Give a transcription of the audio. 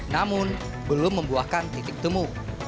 namun belum membuahkan titik temu